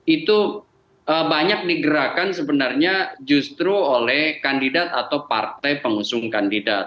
itu banyak digerakkan sebenarnya justru oleh kandidat atau partai pengusung kandidat